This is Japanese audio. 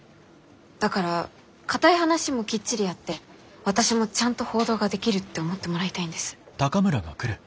だから硬い話もきっちりやって私もちゃんと報道ができるって思ってもらいたいんです。